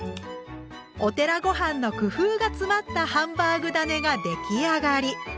お寺ごはんの工夫が詰まったハンバーグだねが出来上がり！